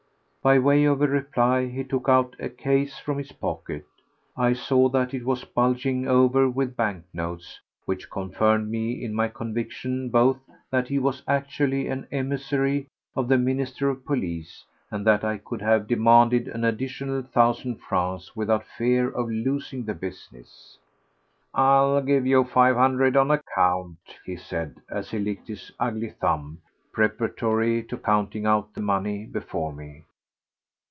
By way of a reply he took out a case from his pocket. I saw that it was bulging over with banknotes, which confirmed me in my conviction both that he was actually an emissary of the Minister of Police and that I could have demanded an additional thousand francs without fear of losing the business. "I'll give you five hundred on account," he said as he licked his ugly thumb preparatory to counting out the money before me.